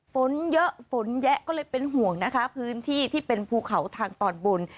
ฝนเยอะฝนแยะก็เลยเป็นห่วงนะคะพื้นที่ที่เป็นภูเขาทางตอนบน